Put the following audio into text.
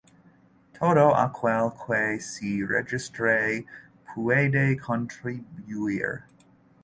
Todo aquel que se registre puede contribuir.